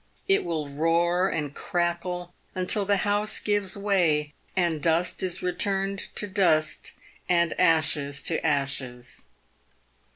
It will roar and crackle until the house gives way, and dust is returned to dust, and ashes to ashes.